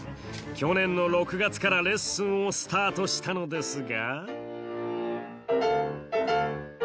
去年の６月からレッスンをスタートしたのですが